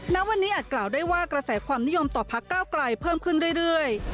ณวันนี้อาจกล่าวได้ว่ากระแสความนิยมต่อพักก้าวไกลเพิ่มขึ้นเรื่อย